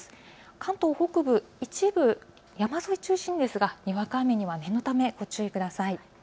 関東北部、一部山沿いを中心ににわか雨には念のためご注意ください。